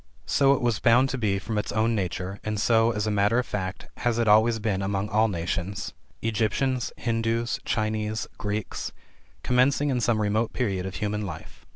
So it was bound to be from its own nature, and so, as a matter of fact, has it always been among all nations Egyptians, Hindus, Chinese, Greeks commencing in some remote period of human life.